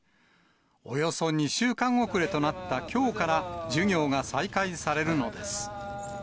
およそ２週間遅れとなったきょうから、授業が再開されるのです。